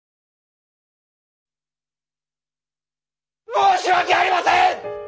申し訳ありません！